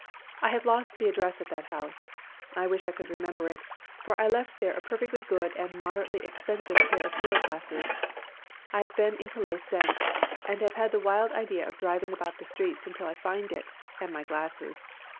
I have lost the address of that house. I wish I could remember it, for I left there a perfectly good and moderately expensive pair of field glasses. I have been in Calais since, and have had the wild idea of driving about the streets until I find it and my glasses.